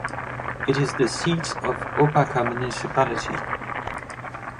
It is the seat of Opaka Municipality.